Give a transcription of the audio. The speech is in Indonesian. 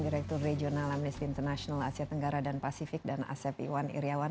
direktur regional amnesty international asia tenggara dan pasifik dan asep iwan iryawan